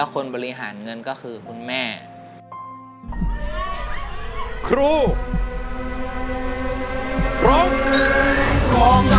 ๔ครับ